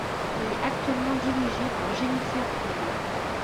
Elle est actuellement dirigée par Jennifer Flay.